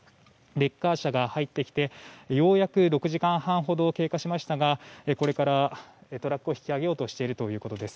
レッカー車が入ってきて６時間半ほど経過しましたがようやくこれからトラックを引き上げようとしているということです。